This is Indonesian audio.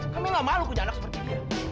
kami gak malu punya anak seperti dia